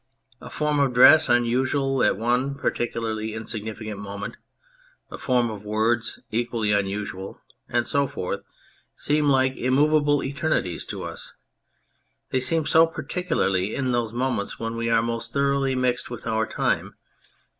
A form of dress unusual at one particularly insignificant moment, a form of words equally unusual, and so forth, seem like immovable eternities to us ; they seem so particularly in those moments when we are most thoroughly mixed with our time.